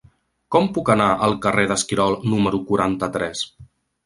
Com puc anar al carrer d'Esquirol número quaranta-tres?